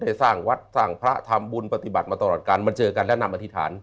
สร้างวัดสร้างพระทำบุญปฏิบัติมาตลอดกันมาเจอกันและนำอธิษฐาน